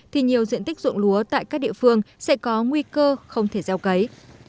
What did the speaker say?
thì nhiều diện tích dụng lúa tại các địa phương sẽ có nguy cơ không thể gieo cấy